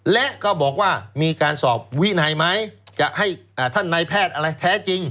และก็บอกว่ามีการสอบวินัยไหมจะให้ท่านนายแพทย์อะไรแท้จริง